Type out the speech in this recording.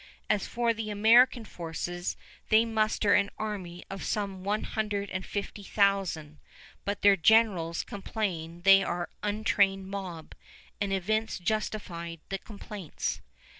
As for the American forces, they muster an army of some one hundred and fifty thousand; but their generals complain they are "an untrained mob"; and events justified the complaints.